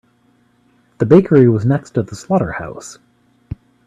The bakery was next to the slaughterhouse.